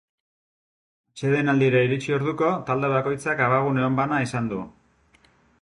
Atsedenaldira iritsi orduko, talde bakoitzak abagune on bana izan du.